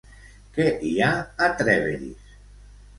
Què hi ha a Trèveris?